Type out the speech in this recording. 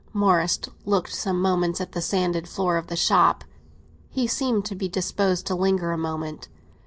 Morris looked some moments at the sanded floor of the shop; he seemed to be disposed to linger a moment.